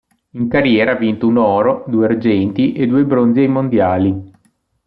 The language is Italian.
In carriera ha vinto un oro, due argenti e due bronzi ai Mondiali.